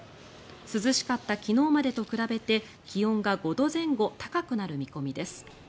涼しかった昨日までと比べて気温が５度前後高くなる見込みです。